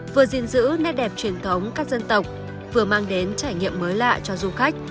vừa gìn giữ nét đẹp truyền thống các dân tộc vừa mang đến trải nghiệm mới lạ cho du khách